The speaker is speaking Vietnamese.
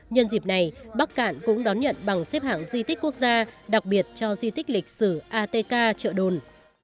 nhân dịp này bắc cạn cũng đón nhận bằng xếp hạng di tích quốc gia đặc biệt cho di tích lịch sử atk chợ đồn